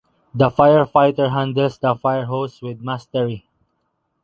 The firefighter handles the fire hose with mastery.